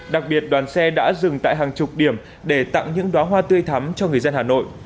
đặc biệt đoàn xe đã dừng tại hàng chục điểm để tặng những đoá hoa tươi thắm cho người dân hà nội